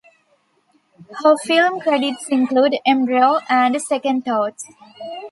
Her film credits include "Embryo" and "Second Thoughts".